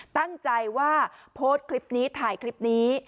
ตั้งใจว่าโพสต์คลิปนี้ถ่ายคลิปนี้